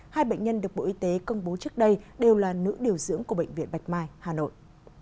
hai bệnh nhân được bộ y tế công bố trước đây đều là nữ điều dưỡng của bệnh viện bạch mai hà nội